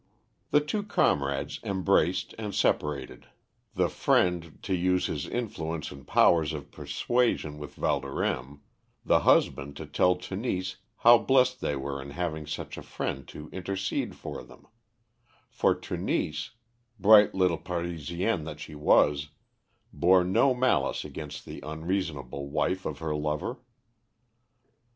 The two comrades embraced and separated; the friend to use his influence and powers of persuasion with Valdorême; the husband to tell Tenise how blessed they were in having such a friend to intercede for them; for Tenise, bright little Parisienne that she was, bore no malice against the unreasonable wife of her lover.